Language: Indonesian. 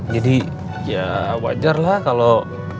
jadi ya wajarlah kalau